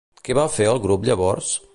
Què va fer el grup llavors?